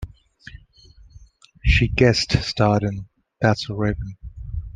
She guest starred in "That's So Raven".